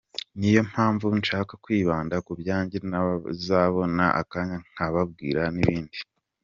niyo mpamvu nshaka kwibanda kubyanjye nazabona akanya nkababwira n’ibindi.